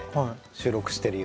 収録してる夢を。